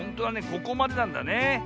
ここまでなんだねえ。